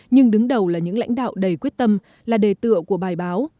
nhưng đứng đầu là những lãnh đạo đầy quyết tâm là đề tựa của bài báo